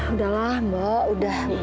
udah lah mbak udah